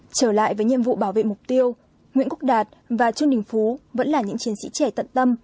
trở lại với nhiệm vụ bảo vệ mục tiêu nguyễn quốc đạt và trương đình phú vẫn là những chiến sĩ trẻ tận tâm